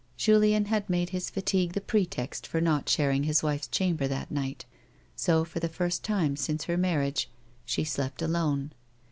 Julien had made his fatigue the pretext for not sharing his wifes chamber that night, so, for the first time since her marriage, she slept alone.